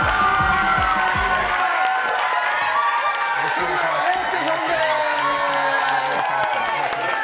杉野遥亮さんです。